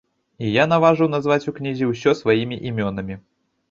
І я наважыў назваць у кнізе ўсё сваімі імёнамі.